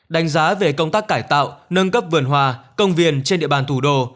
đánh giá về công tác cải tạo nâng cấp vườn hòa công viên trên địa bàn thủ đô